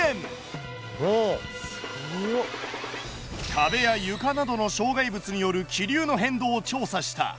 壁や床などの障害物による気流の変動を調査した。